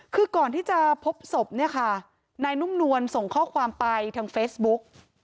คือก่อนที่จะพบศพเนี่ยค่ะนายนุ่มนวลส่งข้อความไปทางเฟซบุ๊ก